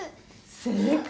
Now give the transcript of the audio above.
正解！